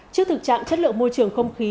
trước thực trạng chất lượng môi trường không khí